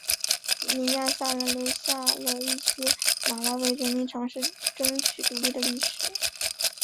尼亚萨兰留下了一些马拉维人民尝试争取独立的历史。